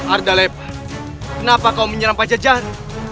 arda lepa kenapa kau menyerang pajajaran